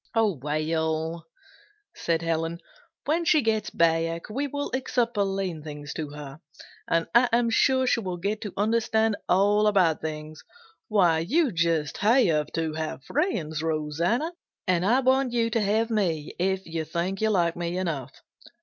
"Oh, well," said Helen, "when she gets back we will explain things to her, and I am sure she will get to understand all about things. Why, you just have to have friends, Rosanna, and I want you to have me if you think you like me enough."